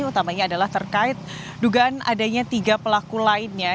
utamanya adalah terkait dugaan adanya tiga pelaku lainnya